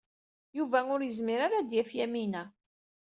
Yuba ur yezmir ara ad yaf Yamina.